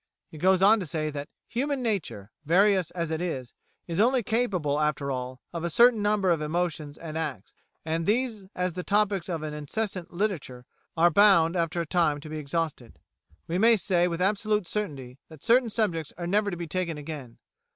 He goes on to say that "Human nature, various as it is, is only capable after all of a certain number of emotions and acts, and these as the topics of an incessant literature are bound after a time to be exhausted. We may say with absolute certainty that certain subjects are never to be taken again.